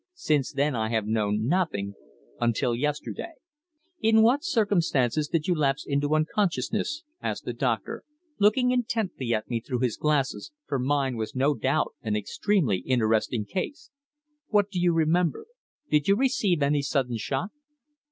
Since then I have known nothing until yesterday." "In what circumstances did you lapse into unconsciousness?" asked the doctor, looking intently at me through his glasses, for mine was no doubt an extremely interesting case. "What do you remember? Did you receive any sudden shock?"